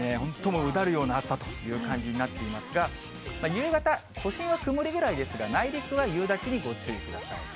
もう、うだるような暑さという感じになっていますが、夕方、都心は曇りぐらいですが、内陸は夕立にご注意ください。